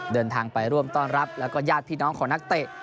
เดินทางไปร่วมต้อนรับแล้วก็ญาติพี่น้องของนักเตะ